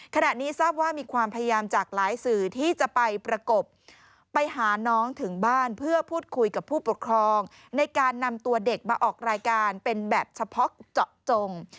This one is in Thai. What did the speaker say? ขณะนี้ทราบว่ามีความพยายามจากหลายสื่อที่จะไปประกบไปหาน้องถึงบ้านเพื่อพูดคุยกับผู้ปกครองในการนำตัวเด็กมาออกรายการเป็นแบบเฉพาะเจาะจง